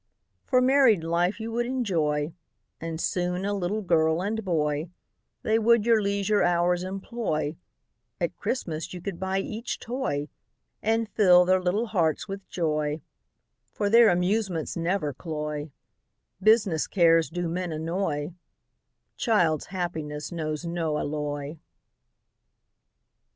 For married life you would enjoy, And soon a little girl and boy, They would your leisure hours employ, At Christmas you could buy each toy, And fill their little hearts with joy, For their amusements never cloy, Business cares do men annoy, Child's happiness knows no alloy.